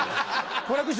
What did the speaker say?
好楽師匠